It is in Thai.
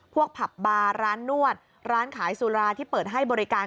ผับบาร์ร้านนวดร้านขายสุราที่เปิดให้บริการ